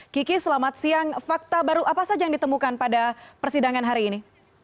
kiki selamat siang fakta baru apa saja yang ditemukan pada persidangan hari ini